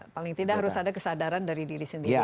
paling tidak harus ada kesadaran dari diri sendiri